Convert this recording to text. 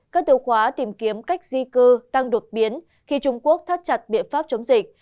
các tiêu khóa tìm kiếm cách di cư tăng đột biến khi trung quốc thắt chặt biện pháp chống dịch